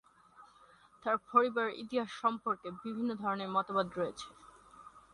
তার পরিবারের ইতিহাস সম্পর্কে বিভিন্ন ধরনের মতবাদ রয়েছে।